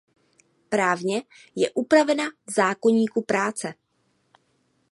Právně je upravena v zákoníku práce.